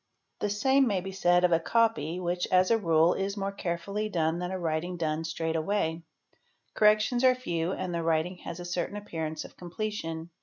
q The same may be said of a copy, which, as a rule, is more carefully lone than a writing done straight away; corrections are few and the Writing has a certain appearance of completion.